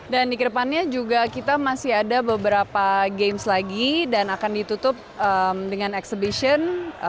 dan di kedepannya juga kita masih ada beberapa games lagi dan akan ditutup dengan exhibition